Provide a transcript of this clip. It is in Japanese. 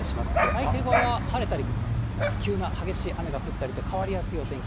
太平洋側は晴れたり、急な雨となったり、変わりやすいお天気